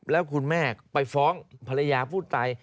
แล้วคุณแม่ไปฟ้องภรรยาผู้ตาย